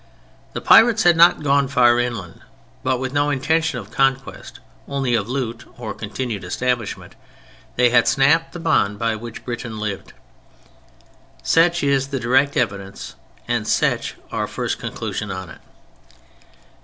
The pirates had not gone far inland; but, with no intention of conquest (only of loot or continued establishment), they had snapped the bond by which Britain lived. Such is the direct evidence, and such our first conclusion on it.